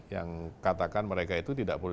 yang katakan mereka itu tidak boleh